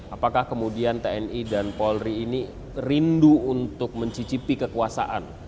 apakah kemudian tni dan polri ini rindu untuk mencicipi kekuasaan